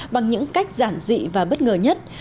bằng những cách giản dị và bất ngờ nhất